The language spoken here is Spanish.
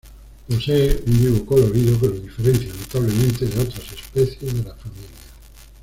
Posee un vivo colorido que lo diferencia notablemente de otras especies de la familia.